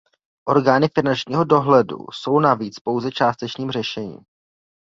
Orgány finančního dohledu jsou navíc pouze částečným řešením.